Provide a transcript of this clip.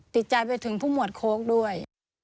ติดใจไปถึงผู้หมวดโค้กด้วย